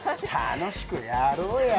楽しくやろうや。